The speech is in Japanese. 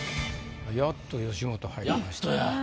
やっと吉本入りました。